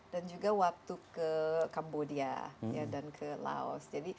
dan juga waktu ke cambodia dan ke laos